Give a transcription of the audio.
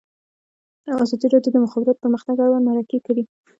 ازادي راډیو د د مخابراتو پرمختګ اړوند مرکې کړي.